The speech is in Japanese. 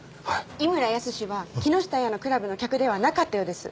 井村泰は木下亜矢のクラブの客ではなかったようです。